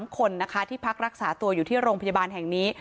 ๓คนนะคะที่พักรักษาตัวอยู่ที่โรงพยาบาลแห่งนี้